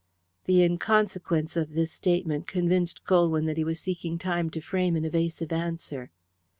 The inconsequence of this statement convinced Colwyn that he was seeking time to frame an evasive answer.